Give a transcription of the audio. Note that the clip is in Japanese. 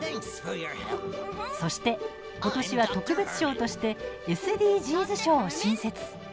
そして、ことしは特別賞としてＳＤＧｓ賞を新設。